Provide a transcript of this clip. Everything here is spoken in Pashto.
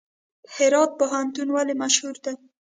هرات پوهنتون ولې مشهور دی؟